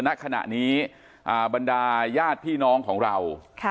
เจอนักฯขณะนี้บรรดายาดพี่น้องของเรา